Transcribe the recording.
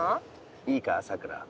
いいかさくら。